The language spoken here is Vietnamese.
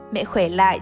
mẹ khỏe lại